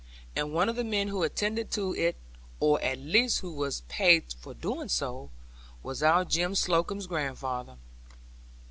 And one of the men who attended to it, or at least who was paid for doing so, was our Jem Slocombe's grandfather.